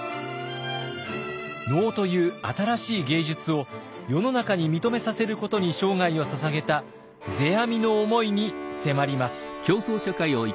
能という新しい芸術を世の中に認めさせることに生涯をささげた世阿弥の思いに迫ります。